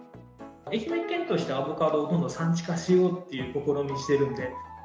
愛媛県としてアボカドをどんどん産地化しようっていう試みしてるんで。